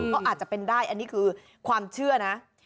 ก็อาจจะเป็นได้อันนี้คือความเชื่อนะ